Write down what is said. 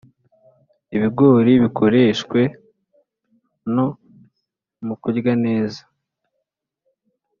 ibigori bikoreshwe no mukurya neza